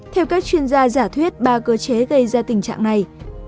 theo các chuyên gia giả thuyết ba cơ chế gây ra tình trạng này